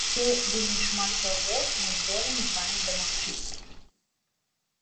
Яшчэ вельмі шмат чаго мы здолеем з вамі дамагчыся.